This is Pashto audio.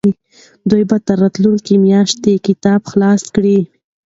دوی به تر راتلونکې میاشتې کتاب خلاص کړي.